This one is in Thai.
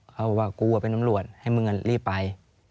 เขาบอกว่ากูเป็นตำรวจให้มึงรีบไป